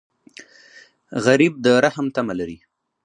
غریب د رحم تمه لري